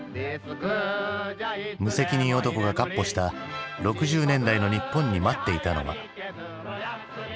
「無責任男」がかっ歩した６０年代の日本に待っていたのは？